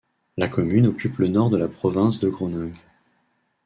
La commune occupe le nord de la province de Groningue.